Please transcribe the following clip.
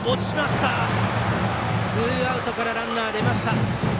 ツーアウトからランナー出ました。